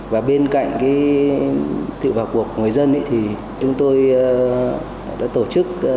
và bên cạnh sự vào cuộc của người dân thì chúng tôi đã tổ chức